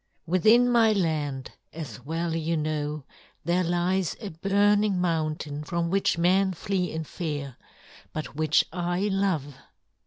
"Within my land, as well you know, there lies a burning mountain from which men flee in fear, but which I love.